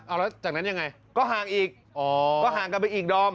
เอาแล้วจากนั้นยังไงก็ห่างอีกก็ห่างกันไปอีกดอม